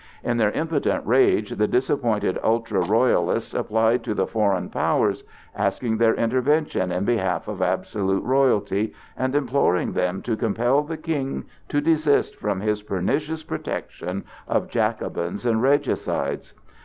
In their impotent rage the disappointed ultra Royalists applied to the foreign powers, asking their intervention in behalf of absolute royalty, and imploring them to compel the King to desist from his pernicious protection of Jacobins and regicides.